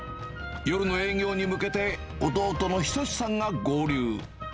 夜の営業に向けて、弟の仁さんが合流。